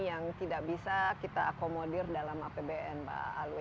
yang tidak bisa kita akomodir dalam apbn mbak alwi